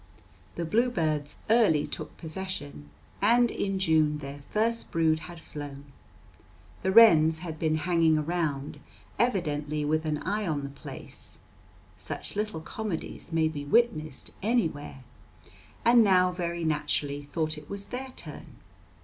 The bluebirds early took possession, and in June their first brood had flown. The wrens had been hanging around, evidently with an eye on the place (such little comedies may be witnessed anywhere), and now very naturally thought it was their turn.